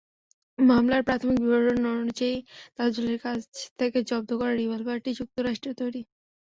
মামলার প্রাথমিক বিবরণী অনুযায়ী, তাজুলের কাছ থেকে জব্দ করা রিভলবারটি যুক্তরাষ্ট্রের তৈরি।